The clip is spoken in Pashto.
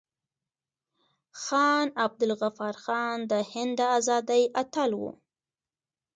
خان عبدالغفار خان د هند د ازادۍ اتل و.